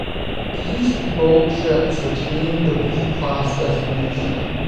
These rebuilt ships retained the V-class designation.